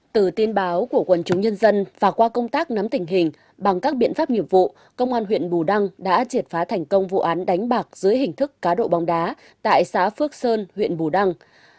từ tin báo của quần chúng nhân dân và qua công tác nắm tình hình bằng các biện pháp nghiệp vụ công an huyện bù đăng đã triệt phá thành công vụ án đánh bạc dưới hình thức cá độ bóng đá tại xã phước sơn huyện bù đăng